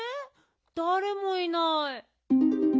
だれもいない。